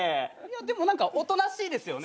でも何かおとなしいですよね。